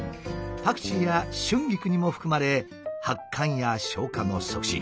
パクチーや春菊にも含まれ発汗や消化の促進